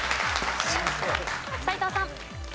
斎藤さん。